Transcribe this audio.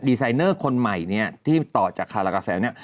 ไซเนอร์คนใหม่เนี่ยที่ต่อจากคารากาแฟเนี่ย